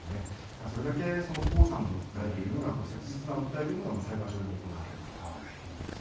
それだけ江さんの切実な訴えというのが裁判所でも行われたということです。